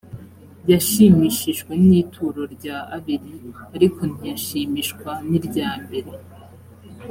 yashimishijwe n ituro rya abeli ariko ntiyashimishwa n iryambere